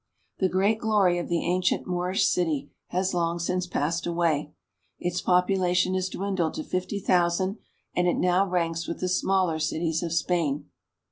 The great glory of the ancient Moorish city has long since passed away. Its population has dwindled to fifty thousand, and it now ranks with the smaller cities of Spain.